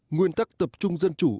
nguyên tắc tập trung dân chủ